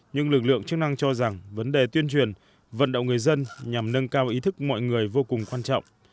nhưng lực lượng chức năng cho rằng vấn đề tuyên truyền vận động người dân nhằm nâng cao ý thức mọi người vô cùng quan trọng